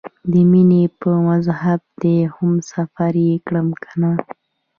د مینې په مذهب دې هم سفر یې کړم کنه؟